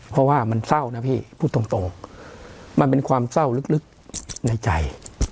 เพราะว่ามันเศร้านะพี่พูดตรงมันเป็นความเศร้าลึกในใจ